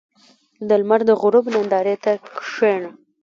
• د لمر د غروب نندارې ته کښېنه.